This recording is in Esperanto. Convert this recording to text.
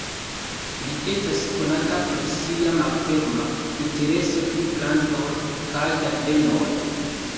Li estas konata pro sia malferma intereso pri plantoj kaj ĝardenoj.